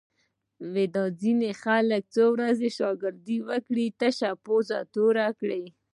دا ځینې خلک څو ورځې شاگردي وکړي، تشه پوزه توره کړي